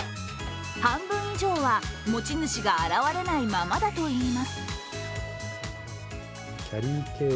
半分以上は持ち主が現れないままだといいます。